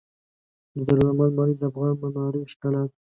د دارالامان ماڼۍ د افغان معمارۍ ښکلا ده.